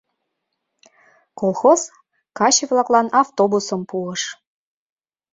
Колхоз каче-влаклан автобусым пуыш.